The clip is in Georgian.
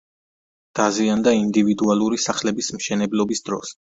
დაზიანდა ინდივიდუალური სახლების მშენებლობის დროს.